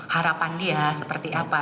harapan dia seperti apa